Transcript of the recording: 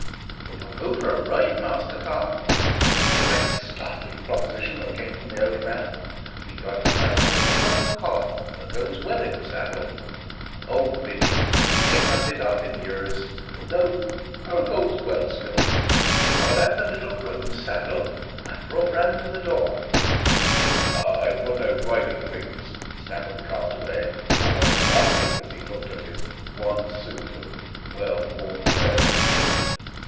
"You'll go for a ride, Master Tom?" was the next startling proposition that came from the old man. "We've a nice little roan cob that goes well in saddle. Old Biddy is getting a bit up in years, though 'er goes well still, but I'll have the little roan saddled and brought round to door." "I've got no riding things," stammered the castaway, almost laughing as he looked down at his one suit of well worn clothes.